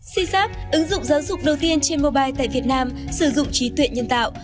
xin sắp ứng dụng giáo dục đầu tiên trên mobile tại việt nam sử dụng trí tuệ nhân tạo